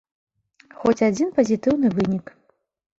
Хоць адзін пазітыўны вынік.